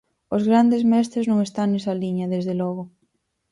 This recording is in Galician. Os grandes mestres non están nesa liña, desde logo.